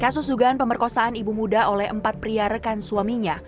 kasus dugaan pemerkosaan ibu muda oleh empat pria rekan suaminya